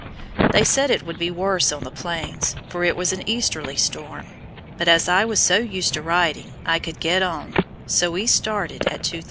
They said it would be worse on the plains, for it was an easterly storm; but as I was so used to riding, I could get on, so we started at 2:30.